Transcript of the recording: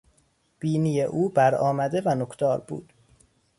بینی او برآمده و نوکدار بود.